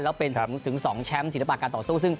แล้วเป็นถึง๒แชมป์ศิลปะการต่อสู้